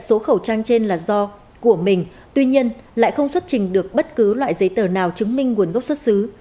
số khẩu trang trên là do của mình tuy nhiên lại không xuất trình được bất cứ loại giấy tờ nào chứng minh nguồn gốc xuất xứ